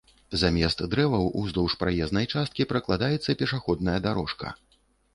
Замест дрэваў ўздоўж праезнай часткі пракладаецца пешаходная дарожка.